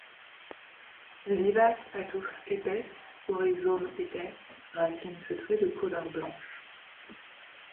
Vivace à touffes épaisses, aux rhizomes épais, racines feutrées de couleur blanche.